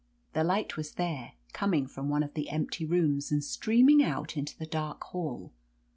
The light was there, coming from one of the empty rooms, and streaming out into the dark hall.